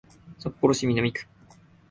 札幌市南区